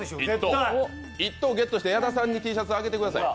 １等ゲットして、矢田さんにＴシャツあげてください